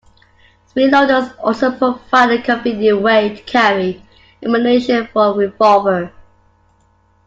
Speedloaders also provide a convenient way to carry ammunition for a revolver.